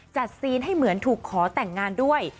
ซีนให้เหมือนถูกขอแต่งงานด้วย